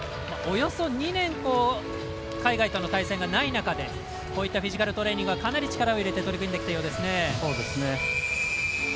およそ２年海外との対戦がない中でこういったフィジカルトレーニングはかなり力を入れて取り組んできたようですね。